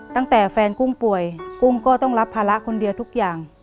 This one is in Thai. ตั้งแต่แฟนกุ้งป่วยกุ้งก็ต้องรับภาระคนเดียวทุกอย่าง